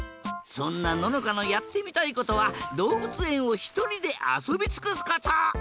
そんなののかのやってみたいことはどうぶつえんをひとりであそびつくすこと！